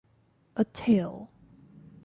A Tale.